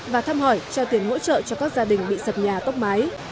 và thăm hỏi cho tiền hỗ trợ cho các gia đình bị sập nhà tóc mái